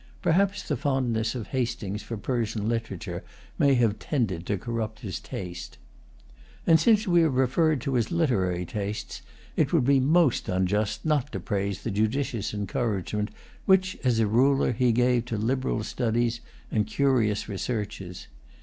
Perhaps the fondness of Hastings for Persian literature may have tended to corrupt his taste. And since we have referred to his literary tastes, it would be most unjust not to praise the judicious encouragement which, as a ruler, he gave to liberal studies and curious researches.